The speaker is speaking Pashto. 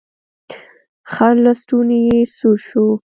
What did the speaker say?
خړ لستوڼی يې سور شو.